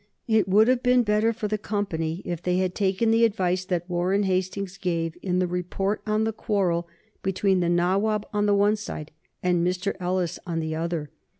It would have been better for the Company if they had taken the advice that Warren Hastings gave in the report on the quarrel between the Nawab on the one side and Mr. Ellis on the other.